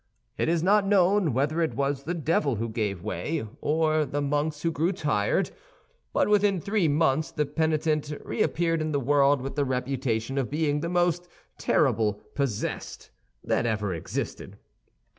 It is not known whether it was the devil who gave way, or the monks who grew tired; but within three months the penitent reappeared in the world with the reputation of being the most terrible possessed that ever existed.